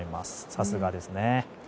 さすがですね。